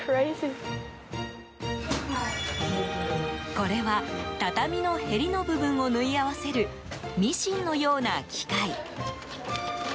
これは、畳のへりの部分を縫い合わせるミシンのような機械。